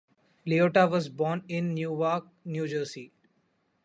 Liotta was born in Newark, New Jersey.